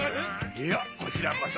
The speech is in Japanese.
いやこちらこそ。